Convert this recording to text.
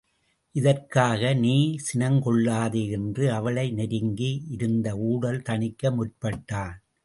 இதற்காக நீ சினங் கொள்ளாதே என்று அவளை நெருங்கி இருந்து ஊடல் தணிக்க முற்பட்டான்.